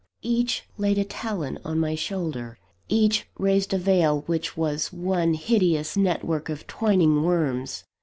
Each laid a talon on my shoulder each raised a veil which was one hideous net work of twining worms.